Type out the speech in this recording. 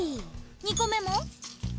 ２個目も。